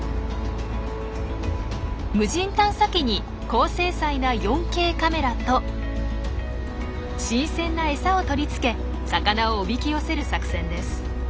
無人探査機に高精細な４Ｋカメラと新鮮な餌を取り付け魚をおびき寄せる作戦です。